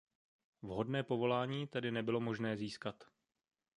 Vhodné povolání tedy nebylo možné získat.